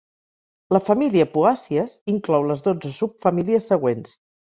La família Poàcies inclou les dotze subfamílies següents.